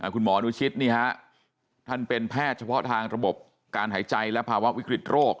คุณหมอนุชิตนี่ฮะท่านเป็นแพทย์เฉพาะทางระบบการหายใจและภาวะวิกฤตโรค